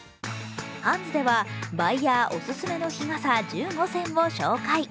ハンズでは、バイヤーおすすめの日傘１５選を紹介。